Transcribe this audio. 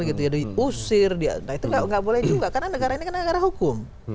itu tidak boleh juga karena negara ini adalah negara hukum